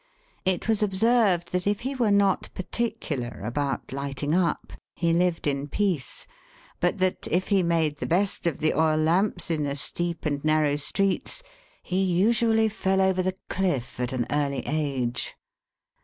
It was observed that if he were not particular about lighting up, he lived in peace; but that, if he made the best of the oil lamps in the steep and narrow streets, he usually fell over the cliff at an early age.